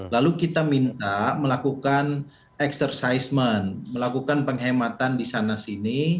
lalu kita minta melakukan penghematan di sana sini